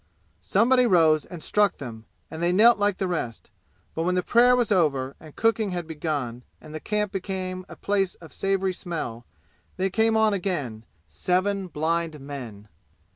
Somebody rose and struck them, and they knelt like the rest; but when prayer was over and cooking had begun and the camp became a place of savory smell, they came on again seven blind men.